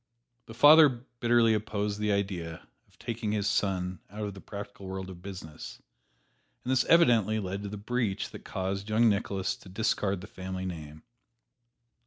The father bitterly opposed the idea of taking his son out of the practical world of business, and this evidently led to the breach that caused young Nicholas to discard the family name.